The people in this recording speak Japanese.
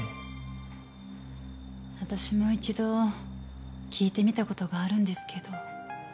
私も一度聞いてみた事があるんですけど。